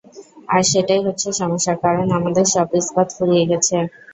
আর সেটাই হচ্ছে সমস্যা, কারণ আমাদের সব ইস্পাত ফুরিয়ে গেছে।